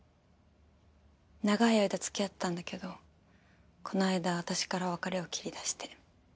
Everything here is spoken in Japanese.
長い間付き合ってたんだけどこの間私から別れを切り出して。